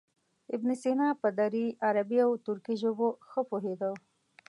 ابن سینا په دري، عربي او ترکي ژبو ښه پوهېده.